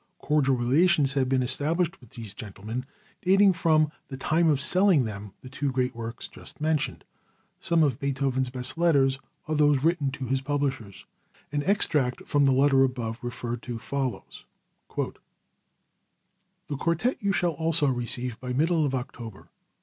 Cordial relations had been established with these gentlemen, dating from the time of selling them the two great works just mentioned. Some of Beethoven's best letters are those written to his publishers. An extract from the letter above referred to follows: "The quartet you shall also receive by the middle of October.